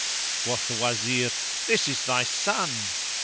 Quoth the Wazir, "This is thy son!"